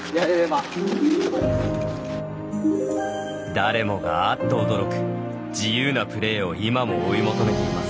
誰もがあっと驚く自由なプレーを今も追い求めています。